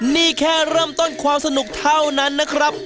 นี่แค่เริ่มต้นความสนุกเท่านั้นนะครับ